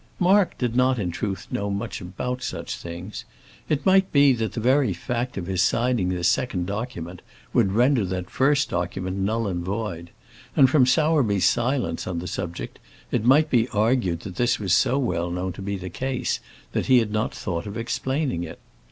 Mark did not in truth know much about such things. It might be that the very fact of his signing this second document would render that first document null and void; and from Sowerby's silence on the subject, it might be argued that this was so well known to be the case, that he had not thought of explaining it.